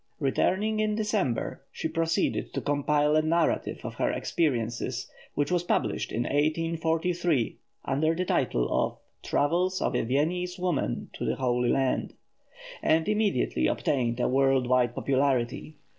Returning in December, she proceeded to compile a narrative of her experiences, which was published in 1843, under the title of "Travels of a Viennese Woman to the Holy Land," and immediately obtained a worldwide popularity.